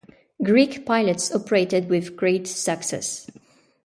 Greek pilots operated with great success.